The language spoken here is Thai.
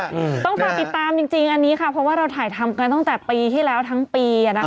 ต้องฝากติดตามจริงอันนี้ค่ะเพราะว่าเราถ่ายทำกันตั้งแต่ปีที่แล้วทั้งปี